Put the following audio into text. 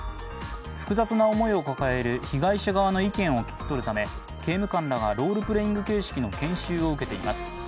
複雑な思いを抱える被害者側の意見を聞き取るため刑務官らがロールプレーイング形式の研修を受けています。